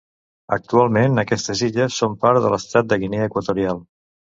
Actualment aquestes illes són part de l'estat de Guinea Equatorial.